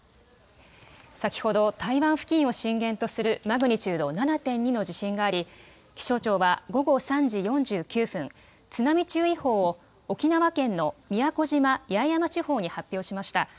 先ほど台湾付近を震源とするマグニチュード７．２の地震があり気象庁は午後３時４９分、津波注意報を沖縄県の宮古島・八重山地方に発表しました。